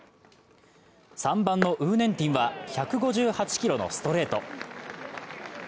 ３番のウーネンティンは１５８キロのストレート。